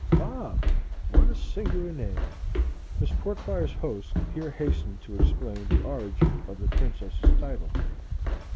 "Bob? What a singular name!" Miss Portfire's host here hastened to explain the origin of the Princess's title.